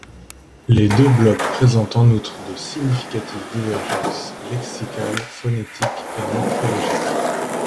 Les deux blocs présentent en outre de significatives divergences, lexicales, phonétiques et morphologiques.